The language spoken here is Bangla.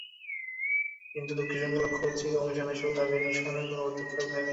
কিন্তু দুঃখের সঙ্গে লক্ষ্ করছি, কমিশন এসব দাবি নিরসনের কোনো পদক্ষেপ নেয়নি।